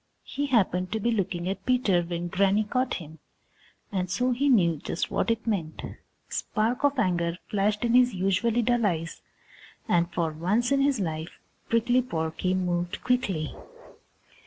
He happened to be looking at Peter when Granny caught him, and so he knew just what it meant. A spark of anger flashed in his usually dull eyes and for once in his life Prickly Porky moved quickly.